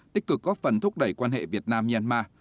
tích cực góp phần thúc đẩy quan hệ việt nam myanmar